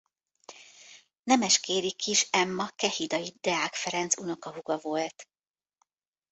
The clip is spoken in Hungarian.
Nemeskéri Kiss Emma kehidai Deák Ferenc unokahúga volt.